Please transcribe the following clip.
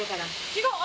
違う！